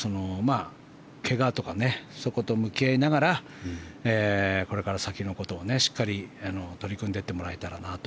怪我とかそこと向き合いながらこれから先のことをしっかり取り組んでいってもらえたらなと。